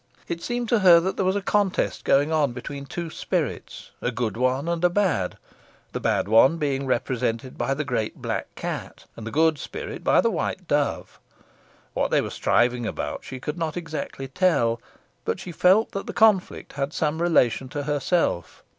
It seemed to her that there was a contest going on between two spirits, a good one and a bad, the bad one being represented by the great black cat, and the good spirit by the white dove. What they were striving about she could not exactly tell, but she felt that the conflict had some relation to herself.